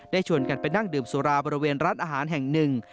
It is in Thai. ชวนกันไปนั่งดื่มสุราบริเวณร้านอาหารแห่งหนึ่ง